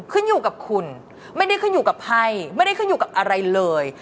ขึ้นอยู่กับคุณไม่ได้ขึ้นอยู่กับไพ่ไม่ได้ขึ้นอยู่กับอะไรเลย